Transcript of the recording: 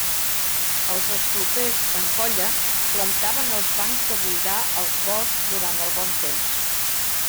Els esclopers, en colla, plantaven els bancs de buidar als boscs durant el bon temps.